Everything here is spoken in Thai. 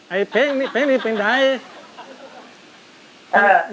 ไอ้เพ้งนี้เป็นไหน